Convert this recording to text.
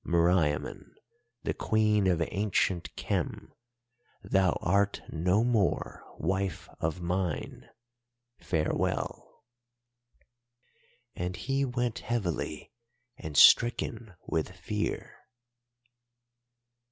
Meriamun, the Queen of ancient Khem, thou art no more wife of mine. Farewell.' "And he went heavily and stricken with fear.